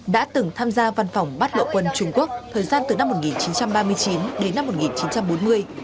đã từng tham gia văn phòng bắt lộ quân trung quốc thời gian từ năm một nghìn chín trăm ba mươi chín đến năm một nghìn chín trăm bốn mươi